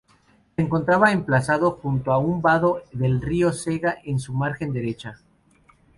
Se encontraba emplazado junto a un vado del río Cega, en su margen derecha.